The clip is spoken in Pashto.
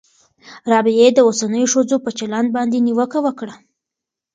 رابعې د اوسنیو ښځو په چلند باندې نیوکه وکړه.